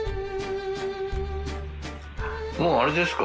もうあれですか？